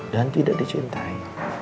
dan tidak dicintai